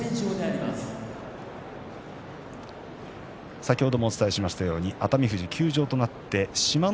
先ほどもお伝えしましたように熱海富士が休場となって志摩ノ